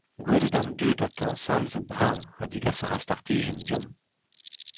Gwelout an dud o tañsal zo brav ha degas a ra startijenn deomp.